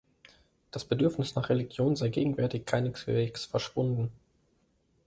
Das Bedürfnis nach Religion sei gegenwärtig keineswegs verschwunden.